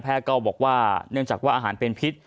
ก็บอกว่าเนื่องจากว่าอาหารเป็นพิษ